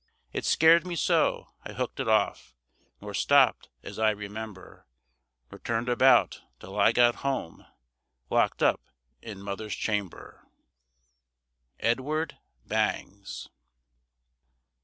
It scared me so, I hooked it off, Nor stopped, as I remember, Nor turned about, till I got home, Locked up in mother's chamber. EDWARD BANGS.